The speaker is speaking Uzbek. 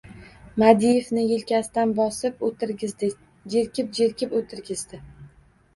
Madievni yelkasidan bosib o‘tirg‘izdi. Jerkib-jerkib o‘tirg‘izdi.